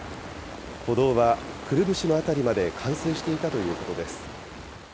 歩道はくるぶしの辺りまで冠水していたということです。